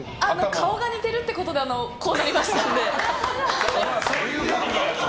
顔が似てるってことでこうなりましたので。